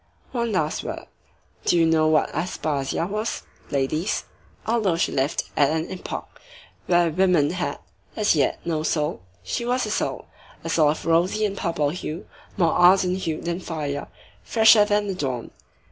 One last word. Do you know what Aspasia was, ladies? Although she lived at an epoch when women had, as yet, no soul, she was a soul; a soul of a rosy and purple hue, more ardent hued than fire, fresher than the dawn.